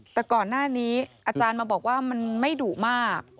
แต่ก่อนหน้านี้อาจารย์มาบอกว่ามันไม่ดุมาก